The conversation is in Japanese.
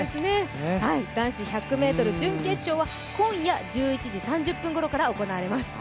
男子１００ｍ決勝は今夜１１時３０分から行われます。